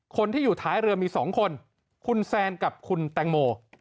คนที่อยู่ท้ายเรือมี๒คนคุณแซนกับคุณแตงโม